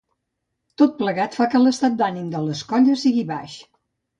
Tot plegat fa que l’estat d’ànim de les colles sigui baix.